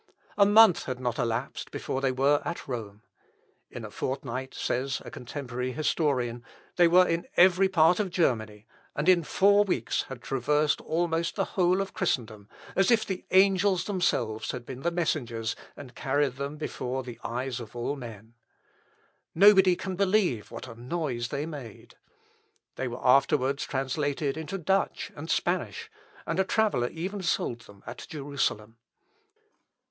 A month had not elapsed before they were at Rome. "In a fortnight," says a contemporary historian, "they were in every part of Germany, and in four weeks had traversed almost the whole of Christendom; as if the angels themselves had been the messengers, and carried them before the eyes of all men. Nobody can believe what a noise they made." They were afterwards translated into Dutch and Spanish, and a traveller even sold them at Jerusalem.